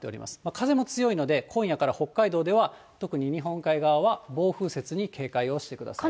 風も強いので、今夜から北海道では、特に日本海側は、暴風雪に警戒をしてください。